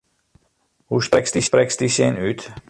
Hoe sprekst dy sin út?